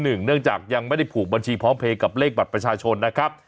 เนื่องจากยังไม่ได้ผูกบัญชีพร้อมเพย์กับเลขบัตรประชาชนนะครับ